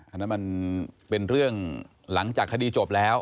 อันนั้นมันเป็นเรื่องหลังจากคดีจบแล้ว